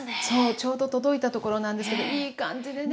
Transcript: ちょうど届いたところなんですけどいい感じでね